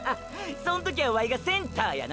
そん時はワイがセンターやな。